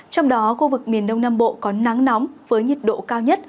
trong đó khu vực miền đông nam bộ có nắng nóng với nhiệt độ cao nhất